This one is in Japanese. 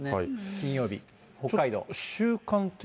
金曜日、北海道。